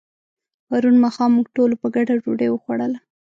پرون ماښام موږ ټولو په ګډه ډوډۍ وخوړله.